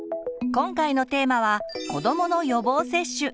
今回のテーマは「子どもの予防接種」。